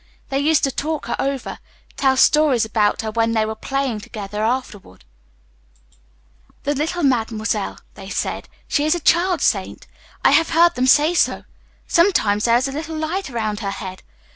They used to talk her over, tell stories about her when they were playing together afterwards. "The little Mademoiselle," they said, "she is a child saint. I have heard them say so. Sometimes there is a little light round her head.